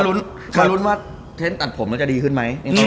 ก็มารุ้นว่าเท้นตัดผมมันจะดีขึ้นมั้ย